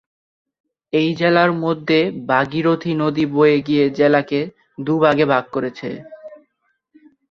এই জেলার মধ্য দিয়ে ভাগীরথী নদী বয়ে গিয়ে জেলাকে দুভাগে ভাগ করেছে।